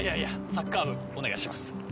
サッカー部お願いします。